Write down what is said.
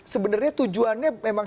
sebenarnya tujuannya memang